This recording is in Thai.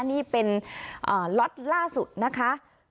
นี่เป็นล็อตล่าสุดนะคะ